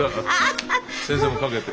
先生も掛けて。